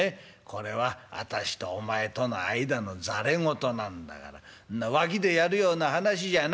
これは私とお前との間のざれ言なんだからそんな脇でやるような話じゃない」。